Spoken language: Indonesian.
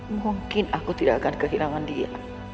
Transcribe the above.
mungkin aku tidak akan kehilangan dia